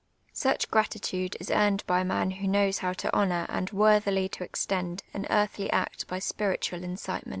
Such gratitude is earned by a man wlu) knows how to honour and worthily to extcud au earthly act by 8i)iiitual incitement.